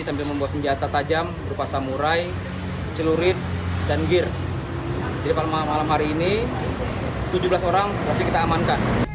sambil membawa senjata tajam berupa samurai celurit dan gear di rumah malam hari ini tujuh belas orang